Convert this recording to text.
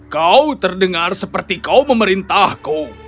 kau terdengar seperti kau memerintahku